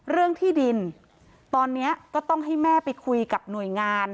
เรื่องที่ดินตอนนี้ก็ต้องให้แม่ไปคุยกับหน่วยงาน